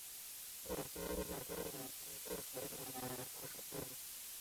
为金庸小说中武功最绝顶的高手之一。